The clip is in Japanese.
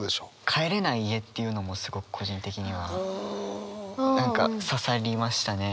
「帰れない家」っていうのもすごく個人的には何か刺さりましたね。